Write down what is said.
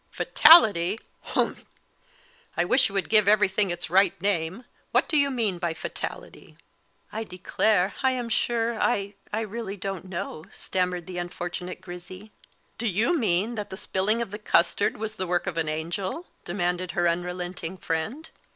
"Fatality! humph! I wish you would give everything its right name. What do you mean by fatality?" "I declare I am sure I I really don't know," stammered the unfortunate Grizzy. "Do you mean that the spilling of the custard was the work of an angel?" demanded her unrelenting friend.